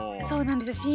そうなんです。